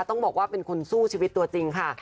ต้องบอกว่าเป็นคนสู้ชีวิตตัวจริงค่ะ